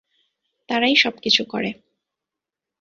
তারাই সবকিছু করে।